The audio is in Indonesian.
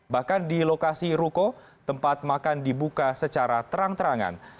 bahkan di lokasi ruko tempat makan dibuka secara terang terangan